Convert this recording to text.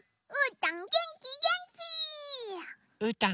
ううーたん！